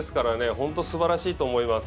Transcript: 本当にすばらしいと思います。